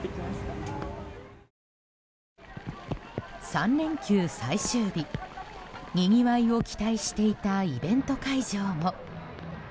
３連休最終日、にぎわいを期待していたイベント会場も。